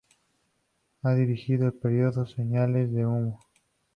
Ha dirigido el periódico "Señales de humo".